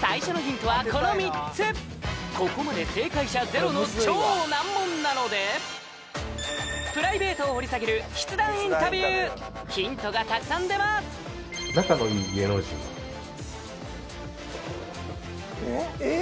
最初のヒントはこの３つここまで正解者ゼロの超難問なのでプライベートを掘り下げる筆談インタビューヒントがたくさん出ます・えっ？